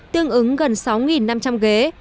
tương ứng gần sáu năm trăm linh ghế